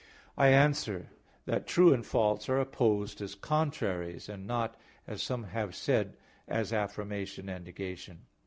I answer that, True and false are opposed as contraries, and not, as some have said, as affirmation and negation.